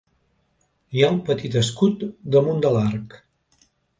Hi ha un petit escut damunt de l'arc.